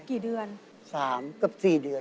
กี่เดือน๓เกือบ๔เดือน